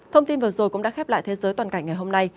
thông tin vừa rồi cũng đã khép lại thế giới toàn cảnh ngày hôm nay